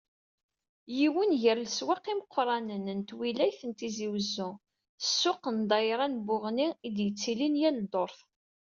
Yiwen gar n leswaq imeqqranen n twilayt n Tizi Uzzu, ssuq n ddayra n Buɣni, i d-yettilin yal ddurt.